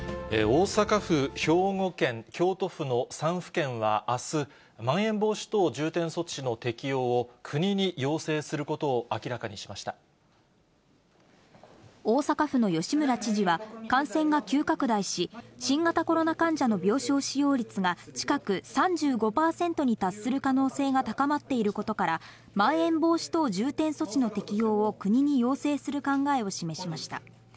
大阪府、兵庫県、京都府の３府県はあす、まん延防止等重点措置の適用を国に要請することを明らかにしまし大阪府の吉村知事は、感染が急拡大し、新型コロナ患者の病床使用率が近く３５％に達する可能性が高まっていることから、まん延防止等重点措置の適用を国に要請する考えを示しました。